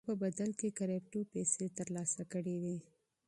ده په بدل کې کرېپټو پيسې ترلاسه کړې وې.